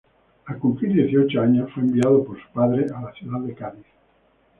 Al cumplir dieciocho años fue enviado por su padre a la ciudad de Cádiz.